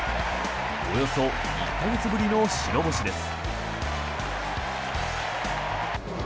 およそ１か月ぶりの白星です。